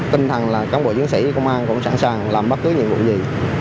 tinh thần là cán bộ chiến sĩ công an cũng sẵn sàng làm bất cứ nhiệm vụ gì